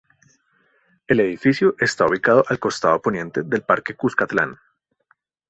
El edificio está ubicado al costado poniente del Parque Cuscatlán.